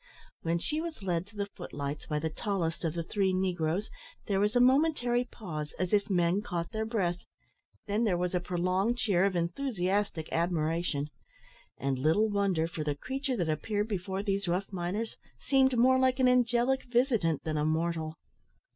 When she was led to the foot lights by the tallest of the three negroes, there was a momentary pause, as if men caught their breath; then there was a prolonged cheer of enthusiastic admiration. And little wonder, for the creature that appeared before these rough miners seemed more like an angelic visitant than a mortal.